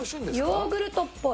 ヨーグルトっぽい。